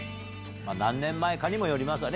何年前かにもよりますわね